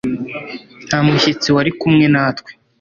nta mushyitsi wari kumwe natwe